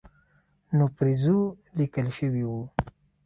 نو پرې ځو لیکل شوي وو.